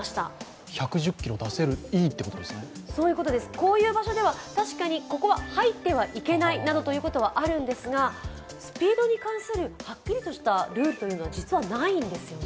こういう場所では、確かにここは入ってはいけないということはあるのですが、スピードに関するはっきりとしたルールというのは実はないんですよね。